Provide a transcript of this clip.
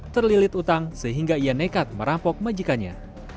terlilit utang sehingga ia nekat merampok majikannya